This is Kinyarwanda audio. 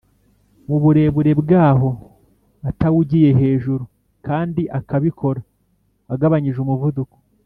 muburebure bwawo atawugiye hejuru kdi akabikora agabanyije umuvuduko